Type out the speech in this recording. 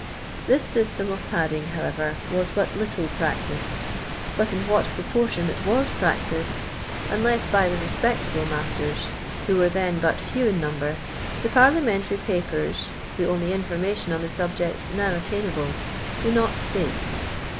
This system of padding, however, was but little practised ; but in what proportion it teas prac tised, unless by the respectable masters, who were then but few in number, the Parliamentar}' papers, the only information on the subject now attain able, do[ not state.